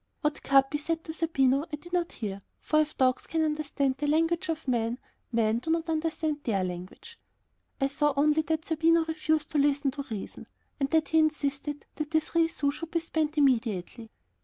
What Capi said to Zerbino I did not hear, for if dogs can understand the language of men, men do not understand their language. I only saw that Zerbino refused to listen to reason, and that he insisted that the three sous should be spent immediately.